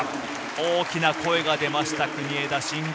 大きな声が出ました国枝慎吾。